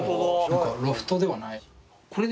ロフトではない。